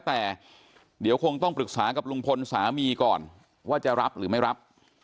แต่เดี๋ยวคงต้องปรึกษากับลุงพลสามีก่อนว่าจะรับหรือไม่รับ